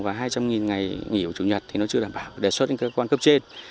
và hai trăm linh ngày nghỉ của chủ nhật thì nó chưa đảm bảo đề xuất đến các quan cấp trên